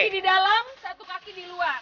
satu kaki di dalam satu kaki di luar